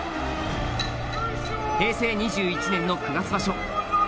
平成２１年の９月場所。